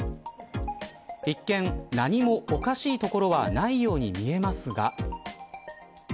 一見、何もおかしいところはないように見えますが。